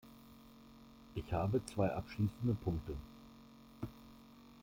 Ich habe zwei abschließende Punkte.